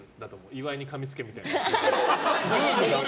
岩井にかみつけみたいな。